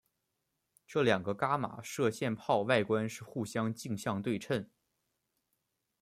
这两个伽玛射线泡外观是互相镜像对称。